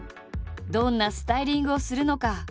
どんなスタイリングをするのか？